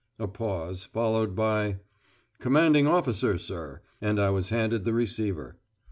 A pause, followed by: "Commanding Officer, sir," and I was handed the receiver.